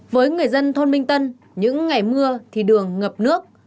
với người dân thôn minh tân những ngày mưa thì đường ngập nước